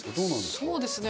そうですね。